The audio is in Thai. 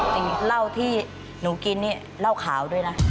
สิ่งเหล้าที่หนูกินนี่เหล้าขาวด้วยนะ